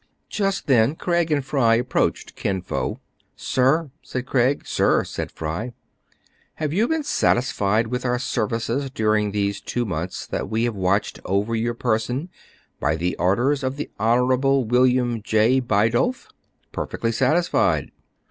Just then Craig and Fry approached Kin Fo. " Sir !" said Craig. " Sir !" said Fry. " Have you been satisfied with our services dur ing these two months that we have watched over your person by the orders of the Honorable Wil liam J. Bidulph ?"" Perfectly satisfied."